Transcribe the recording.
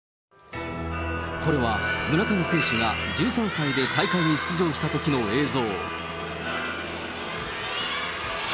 これは、村上選手が１３歳で大会に出場したときの映像。